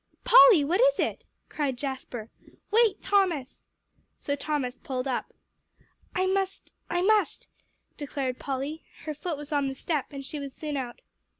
"Polly what is it?" cried Jasper. "Wait, Thomas!" So Thomas pulled up. "I must I must," declared Polly. Her foot was on the step, and she was soon out.